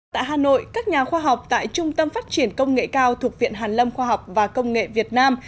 tại hà nội các nhà khoa học tại trung tâm phát triển công nghệ cao thuộc viện hàn lâm khoa học và công nghệ việt nam